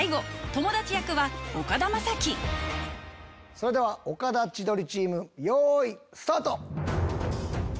それでは岡田・千鳥チーム用意スタート！